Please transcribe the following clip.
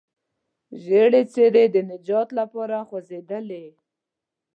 ژېړې څېرې د نجات لپاره خوځېدلې.